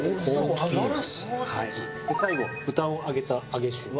最後豚を揚げた揚げ焼売。